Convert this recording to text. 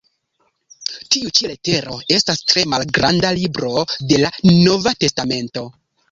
Tiu ĉi letero estas tre malgranda "libro" de la nova testamento.